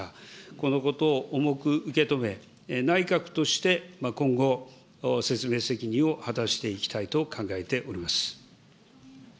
このことを重く受け止め、内閣として、今後、説明責任を果たしていきたいと考えております。